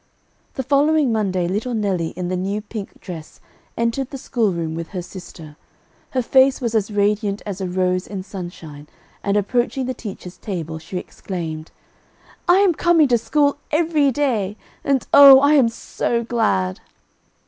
The following Monday, little Nelly, in the new pink dress, entered the schoolroom with her sister. Her face was as radiant as a rose in sunshine, and approaching the teacher's table, she exclaimed: "I am coming to school every day, and oh, I am so glad!"